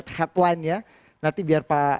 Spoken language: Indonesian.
nanti biar pak lanyala mateliti bisa ditampilkan enggak